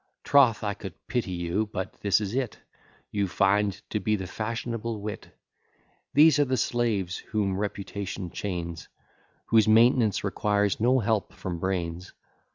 Troth, I could pity you; but this is it, You find, to be the fashionable wit; These are the slaves whom reputation chains, Whose maintenance requires no help from brains.